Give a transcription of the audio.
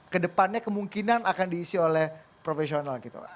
ke depannya kemungkinan akan diisi oleh profesional